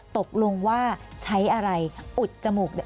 ตกลงว่าใช้อะไรอุดจมูก